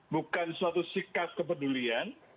bukan suatu sikap kepedulian